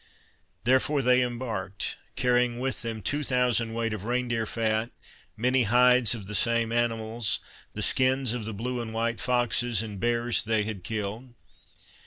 Therefore they embarked, carrying with them two thousand weight of rein deer fat, many hides of the same animals, the skins of the blue and white foxes and bears they had killed.